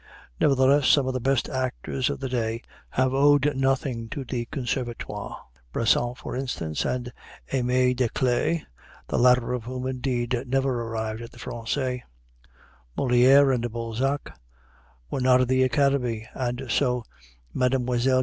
Nevertheless some of the best actors of the day have owed nothing to the Conservatoire Bressant, for instance, and Aimée Desclée, the latter of whom, indeed, never arrived at the Français. (Molière and Balzac were not of the Academy, and so Mlle.